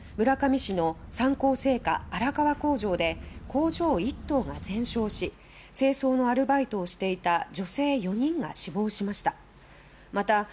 村上市の三幸製菓荒川工場で工場１棟が全焼し清掃のアルバイトをしていた女性４人が死亡しました。